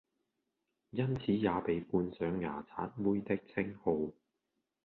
因此也被冠上「牙刷妹」的稱號！